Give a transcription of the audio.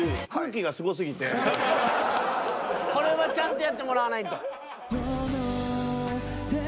これはちゃんとやってもらわないと。